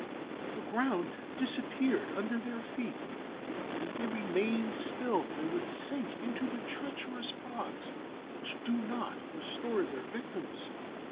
The ground disappeared under their feet, and if they remained still they would sink into the treacherous bogs which do not restore their victims.